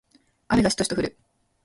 雨がしとしと降る